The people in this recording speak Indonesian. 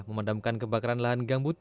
memadamkan kebakaran lahan gambut